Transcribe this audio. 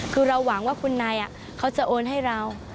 คือเราหวังว่าคุณนายเขาจะโอนให้เรา